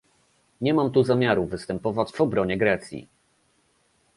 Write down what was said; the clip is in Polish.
Nie mam tu zamiaru występować w obronie Grecji